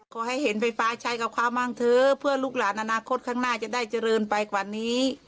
ขอให้เห็นไฟฟ้าใช้กับเขาบ้างเถอะเพื่อลูกหลานอนาคตข้างหน้าจะได้เจริญไปกว่านี้